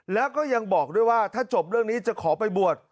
แล้วก็ยังบอกด้วยว่าถ้าจบเรื่องนี้จะขอไปบวช